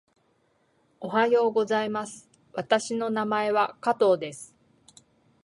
おはようございます。私の名前は加藤です。